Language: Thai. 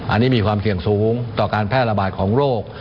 อันนี้มีความเสี่ยงสูงต่อการแพร่ระบาดของโรค